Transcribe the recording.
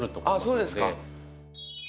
あそうですか。